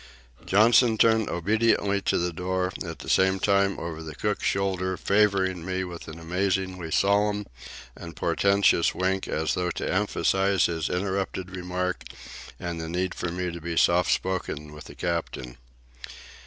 Johnson turned obediently to the door, at the same time, over the cook's shoulder, favouring me with an amazingly solemn and portentous wink as though to emphasize his interrupted remark and the need for me to be soft spoken with the captain.